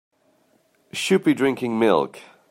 Should be drinking milk.